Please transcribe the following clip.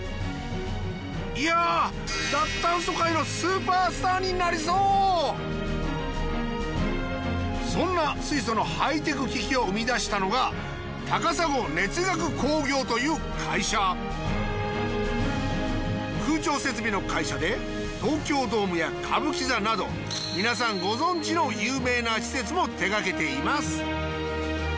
いやぁ脱炭素界のスーパースターになりそうそんな水素のハイテク機器を生み出したのが高砂熱学工業という会社空調設備の会社で東京ドームや歌舞伎座など皆さんご存じの有名な施設も手がけています